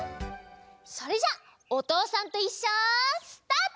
それじゃ「おとうさんといっしょ」スタート！